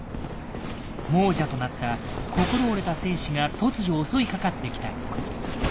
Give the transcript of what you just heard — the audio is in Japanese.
亡者となった心折れた戦士が突如襲いかかってきた。